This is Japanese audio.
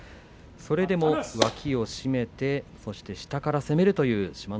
それでも脇を締めて下から攻めるという志摩ノ